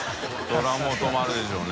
そりゃもう泊まるでしょうね。